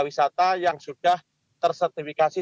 wisata yang sudah tersertifikasi